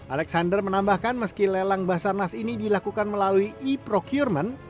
alexander menambahkan meski lelang basarnas ini dilakukan melalui e procurement